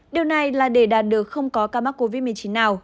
điều này là để đạt được không có ca mắc covid một mươi chín nào